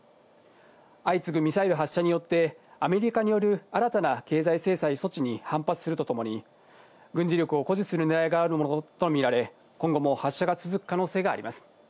相次ぐミサイル発射によってアメリカによる新たな経済制裁措置に反発するとともに軍事力を誇示する狙いがあるものとみられ、今後も発射が続く可能性があります。